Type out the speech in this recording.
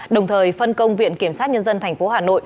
đồng thời phân công viện kiểm sát nhân dân tp hcm